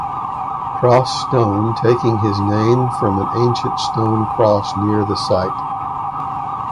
Cross Stone taking its name from an ancient stone cross near the site.